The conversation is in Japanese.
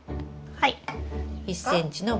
はい。